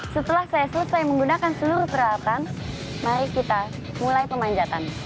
setelah saya selesai menggunakan seluruh peralatan mari kita mulai pemanjatan